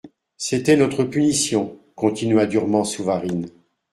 C'était notre punition, continua durement Souvarine.